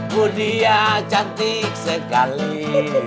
bu diamo cantik sekali